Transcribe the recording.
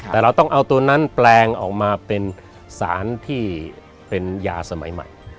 แต่เราต้องเอาตัวนั้นแปลงออกมาเป็นสารที่เป็นยาสมัยใหม่